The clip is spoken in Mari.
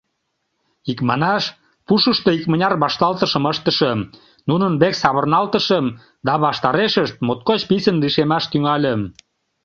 Икманаш, пушышто икмыняр вашталтышым ыштышым, нунын век савырналтышым да ваштарешышт моткоч писын лишемаш тӱҥальым.